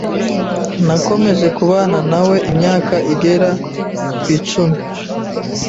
Nakomeje kubana na we imyaka igera kwicumi